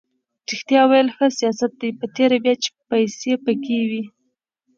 ریښتیا ویل ښه سیاست دی په تېره بیا چې پیسې پکې وي.